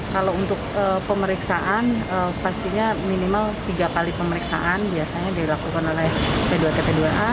kalau untuk pemeriksaan pastinya minimal tiga kali pemeriksaan biasanya dilakukan oleh p dua tp dua a